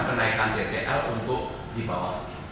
kenaikan jtl untuk dibawah